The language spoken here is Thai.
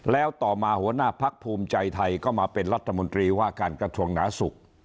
แล้วต่อมาหัวหน้าพักภูมิใจไทยก็มาเป็นรัฐมนตรีว่าการกระทรวงหนาสุข